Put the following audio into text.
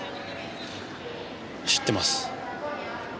知ってます。